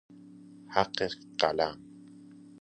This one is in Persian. حق قلم